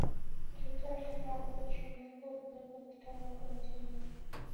যুক্তরাষ্ট্রে থাকাকালীন সময়ে ফুটবলের প্রতি তার আগ্রহ জন্মায়।